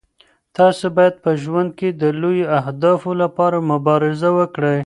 تاسو باید په ژوند کې د لویو اهدافو لپاره مبارزه وکړئ.